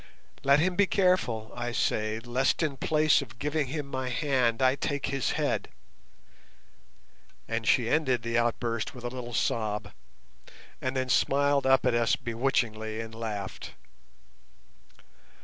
Let him be careful, I say, lest in place of giving him my hand I take his head," and she ended the outburst with a little sob, and then smiled up at us bewitchingly and laughed.